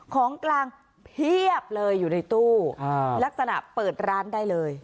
ของกลางเพียบเลยอยู่ในตู้ลักษณะเปิดร้านได้เลย